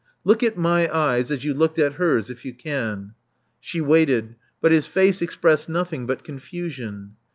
Look at my eyes, as you looked at hers, if you can." She waited; but his face expressed nothing but confusion.